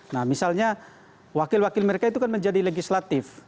nah misalnya wakil wakil mereka itu kan menjadi legislatif